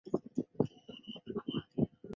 恩特罗讷新堡人口变化图示